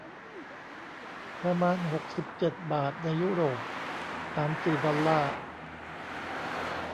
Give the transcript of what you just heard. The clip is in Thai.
ประมาณ หกสิบเจ็ด บาท ในยุโรป สาม สี่ ดอลลาร์